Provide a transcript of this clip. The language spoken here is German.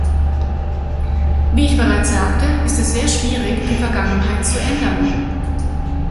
Wie ich bereits sagte, ist es sehr schwierig, die Vergangenheit zu ändern.